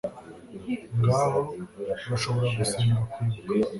ngaho, urashobora gusenga kwibuka